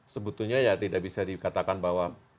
sebetulnya ya tidak bisa dikatakan bahwa